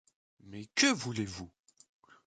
Mais que voulez-vous ?